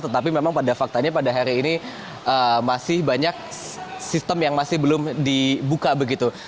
tetapi memang pada faktanya pada hari ini masih banyak sistem yang masih belum dibuka begitu